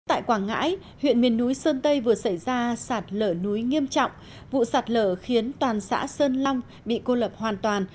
tại quảng ngãi huyện miền núi sơn tây vừa xảy ra sạt lở núi nghiêm trọng vụ sạt lở khiến toàn xã sơn long bị cô lập hoàn toàn